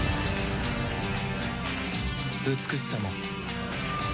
美しさも